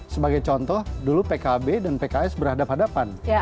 sebagai contoh dulu pkb dan pks berhadapan hadapan